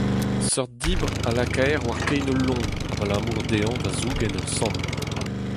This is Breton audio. Seurt dibr a lakaer war kein ul loen abalamour dezhañ da zougen ur samm.